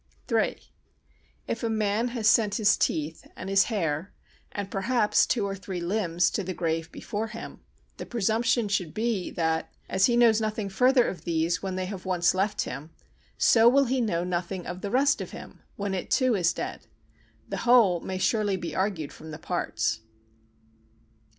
iii If a man has sent his teeth and his hair and perhaps two or three limbs to the grave before him, the presumption should be that, as he knows nothing further of these when they have once left him, so will he know nothing of the rest of him when it too is dead. The whole may surely be argued from the parts.